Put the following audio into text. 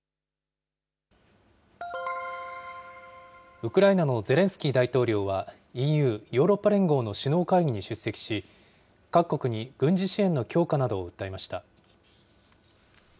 ウクライナのゼレンスキー大統領は、ＥＵ・ヨーロッパ連合の首脳会議に出席し、各国に軍事支援の強化などを訴えました。